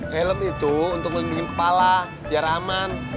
helm itu untuk melindungi kepala biar aman